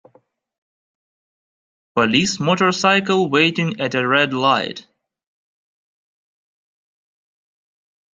Police motorcycle waiting at a red light.